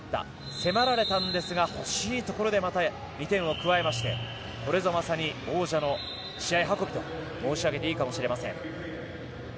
迫られたんですが欲しいところでまた２点を加えてこれぞまさに王者の試合運びと申し上げていいかもしれません。